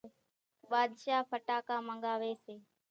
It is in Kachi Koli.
ٻاۮشاھ ڦٽاڪا منڳاوي سي،